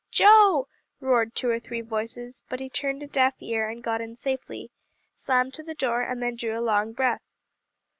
"Joe!" roared two or three voices; but he turned a deaf ear, and got in safely; slammed to the door, and then drew a long breath.